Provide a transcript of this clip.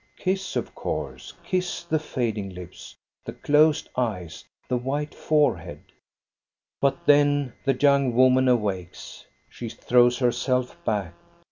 Kiss, of course, kiss the fading lips, the closed eyes, the white forehead. But then the young woman awakes. She throws herself back.